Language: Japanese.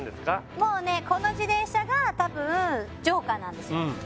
もうねこの自転車が多分ＪＯＫＥＲなんですよ